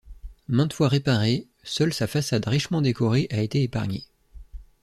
Maintes fois réparée, seule sa façade richement décorée a été épargnée.